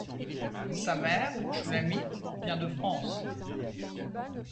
Sa mère, Shulamit, vient de France.